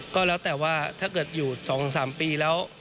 ก็แล้วแต่ว่าถ้าเกิดอยู่๒๓ปีแล้ว